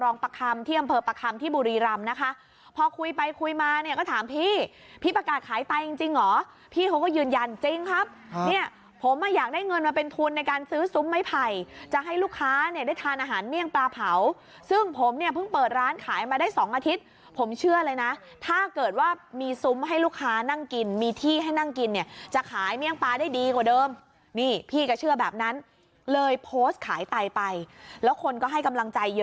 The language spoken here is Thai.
เนี่ยผมอ่ะอยากได้เงินมาเป็นทุนในการซื้อซุ้มไม้ไผ่จะให้ลูกค้าเนี่ยได้ทานอาหารเมี่ยงปลาเผาซึ่งผมเนี่ยเพิ่งเปิดร้านขายมาได้สองอาทิตย์ผมเชื่อเลยนะถ้าเกิดว่ามีซุ้มให้ลูกค้านั่งกินมีที่ให้นั่งกินเนี่ยจะขายเมี่ยงปลาได้ดีกว่าเดิมนี่พี่ก็เชื่อแบบนั้นเลยโพสต์ขายไตไปแล้วคนก็ให้กำลังใ